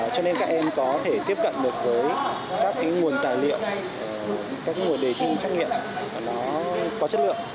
cho nên các em có thể tiếp cận được với các nguồn tài liệu các nguồn đề thi trắc nghiệm nó có chất lượng